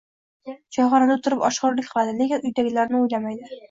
choyxonada o‘tirib oshxo‘rlik qiladi, lekin uydagilarni o‘ylamaydi